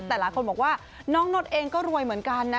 แต่หลายคนบอกว่าน้องนดเองก็รวยเหมือนกันนะ